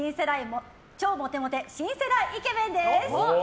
超モテモテ新世代イケメンです。